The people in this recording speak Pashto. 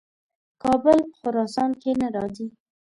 کابل په خراسان کې نه راځي.